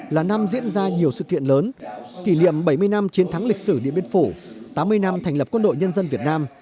là năm diễn ra nhiều sự kiện lớn kỷ niệm bảy mươi năm chiến thắng lịch sử điện biên phủ tám mươi năm thành lập quân đội nhân dân việt nam